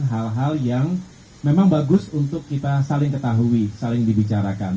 hal hal yang memang bagus untuk kita saling ketahui saling dibicarakan